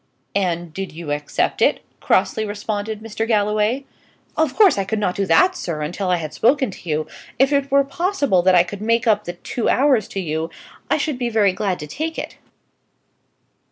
"And did you accept it?" crossly responded Mr. Galloway. "Of course I could not do that, sir, until I had spoken to you. If it were possible that I could make up the two hours to you, I should be very glad to take it."